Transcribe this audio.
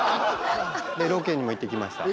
ロケにも行ってきました。